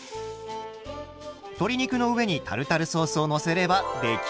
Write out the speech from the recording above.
鶏肉の上にタルタルソースをのせれば出来上がり。